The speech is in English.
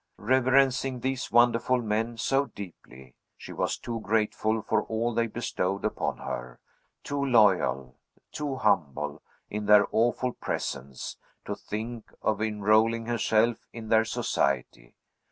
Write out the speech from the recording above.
Reverencing these wonderful men so deeply, she was too grateful for all they bestowed upon her, too loyal, too humble, in their awful presence, to think of enrolling herself in their society.